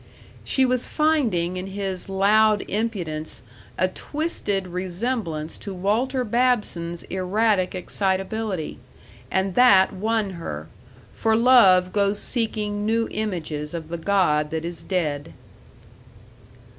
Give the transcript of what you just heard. She was finding in his loud impudence a twisted resemblance to Walter Babson's erratic excitability, and that won her, for love goes seeking new images of the god that is dead.